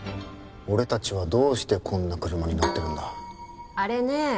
俺達はどうしてこんな車に乗ってるんだあれね